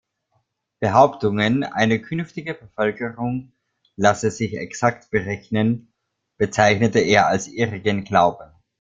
Behauptungen, eine künftige Bevölkerung lasse sich exakt berechnen, bezeichnete er als „irrigen Glauben“.